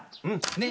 ねっ。